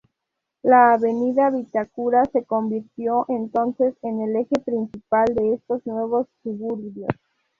La avenida Vitacura se convirtió entonces en el eje principal de estos nuevos suburbios.